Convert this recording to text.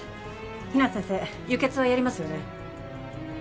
比奈先生輸血はやりますよね？